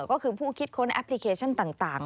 ก็คือผู้คิดค้นแอปพลิเคชันต่าง